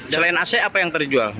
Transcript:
selain ac apa yang terjual